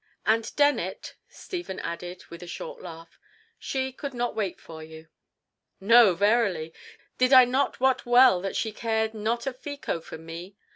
"And Dennet," Stephen added with a short laugh, "she could not wait for you." "No, verily. Did I not wot well that she cared not a fico for me?